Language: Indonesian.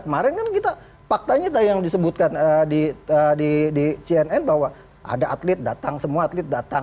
kemarin kan kita faktanya yang disebutkan di cnn bahwa ada atlet datang semua atlet datang